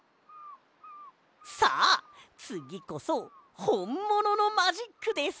さあつぎこそほんもののマジックです！